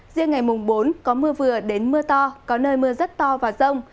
riêng ngày mùng bốn có mưa vừa đến mưa to có nơi mưa rất to và rông